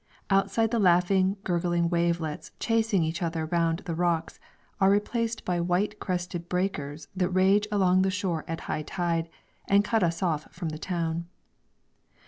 Outside the laughing, gurgling wavelets, chasing each other round the rocks, are replaced by white crested breakers that rage along the shore at high tide and cut us off from the town.